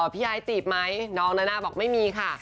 พี่ไอ้จีบไหมน้องนานาบอกไม่มีค่ะ